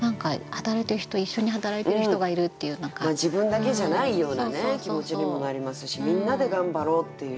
自分だけじゃないような気持ちにもなりますしみんなで頑張ろうっていう。